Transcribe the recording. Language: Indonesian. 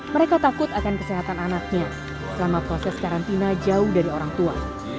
mereka takut akan kesehatan anaknya selama proses karantina jauh dari orang tua